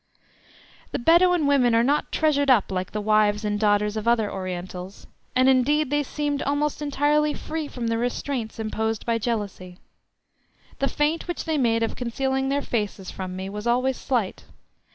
The Bedouin women are not treasured up like the wives and daughters of other Orientals, and indeed they seemed almost entirely free from the restraints imposed by jealousy. The feint which they made of concealing their faces from me was always slight.